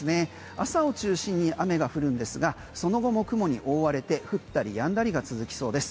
朝を中心に雨が降るんですがその後も雲に覆われて降ったりやんだりが続きそうです。